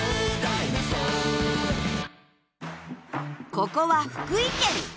ここは福井県。